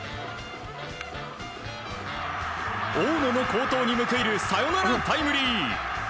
大野の好投に報いるサヨナラタイムリー。